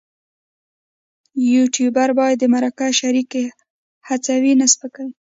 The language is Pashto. یوټوبر باید د مرکه شریک هڅوي نه سپکوي.